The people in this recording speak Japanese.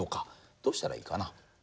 どうしたらいいかな？